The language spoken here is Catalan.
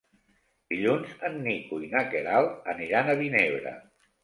Dilluns en Nico i na Queralt aniran a Vinebre.